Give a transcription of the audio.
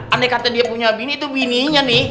andai kata dia punya bini itu bininya nih